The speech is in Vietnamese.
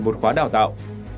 một khóa đào tạo